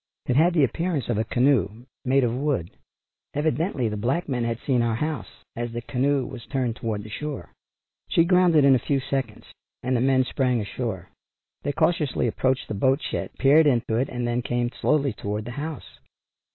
It had the appearance of a canoe, made of wood. Evidently the black men had seen our house as the canoe was turned toward the shore. She grounded in a few seconds, and the men sprang ashore. They cautiously approached the boat shed peered into it, and then came slowly toward the house.